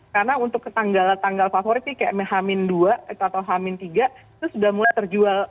karena untuk tanggal favoritnya h dua atau h tiga itu sudah mulai terjual